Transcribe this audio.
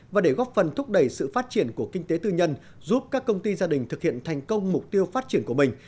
và để góp phần thúc đẩy sự phát triển của kinh tế tư nhân giúp các công ty gia đình thực hiện thành công mục tiêu phát triển của mình